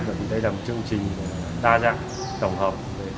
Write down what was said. vì đây là một chương trình đa dạng đồng hợp